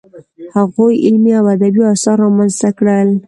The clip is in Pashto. هغوی علمي او ادبي اثار رامنځته کړل.